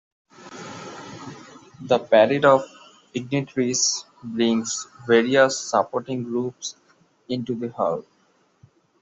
The "Parade of Ignitaries" brings various supporting groups into the hall.